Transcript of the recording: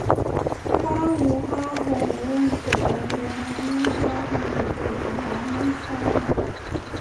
Faamu haa hoore woni, to ɓernde maa non haa huunde, hoore maa non faama.